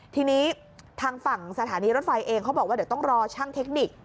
ทีนี้ทางฝั่งสถานีรถไฟเองเขาบอกว่าเดี๋ยวต้องรอช่างเทคนิค